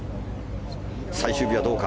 最終日はどうか。